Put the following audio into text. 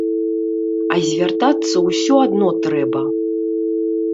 А звяртацца ўсё адно трэба.